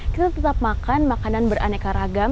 kita tetap makan makanan beraneka ragam